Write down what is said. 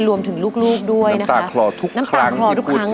รวมถึงลูกด้วยนะคะน้ำตาคลอทุกครั้งที่พูดถึง